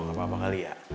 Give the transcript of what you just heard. tidak apa apa kali ya